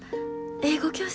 英語教室？